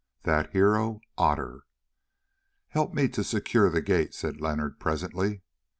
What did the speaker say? THAT HERO OTTER "Help me to secure the gate," said Leonard presently.